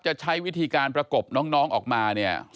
ใช้วิธีการประกบน้องออกมาเนี่ย